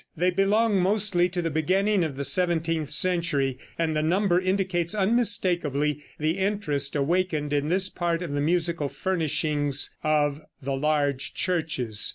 They belong mostly to the beginning of the seventeenth century, and the number indicates unmistakably the interest awakened in this part of the musical furnishing of the large churches.